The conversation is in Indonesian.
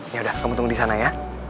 yaudah kamu tunggu di sana ya